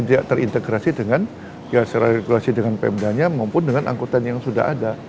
tidak terintegrasi dengan ya secara regulasi dengan pemdanya maupun dengan angkutan yang sudah ada